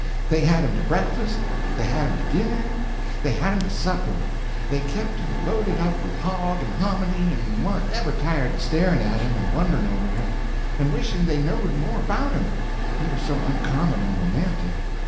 They had him to breakfast, they had him to dinner, they had him to supper; they kept him loaded up with hog and hominy, and warn't ever tired staring at him and wondering over him, and wishing they knowed more about him, he was so uncommon and romantic.